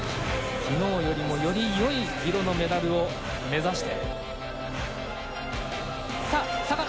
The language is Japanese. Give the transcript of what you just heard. きのうよりもよりよい色のメダルを目指して。